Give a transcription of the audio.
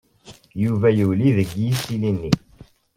Yuba yuli deg yisili-nni.